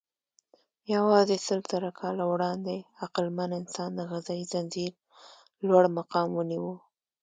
یواځې سلزره کاله وړاندې عقلمن انسان د غذایي ځنځير لوړ مقام ونیو.